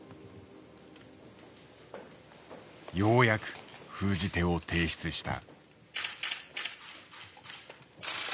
ようやく封じ手を提出した。